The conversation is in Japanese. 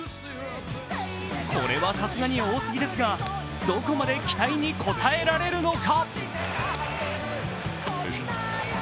これはさすがに多過ぎですがどこまで期待に応えられるのか。